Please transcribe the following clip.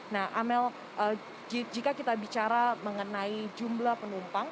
nah amel jika kita bicara mengenai jumlah penumpang